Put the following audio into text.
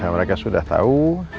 mereka sudah tahu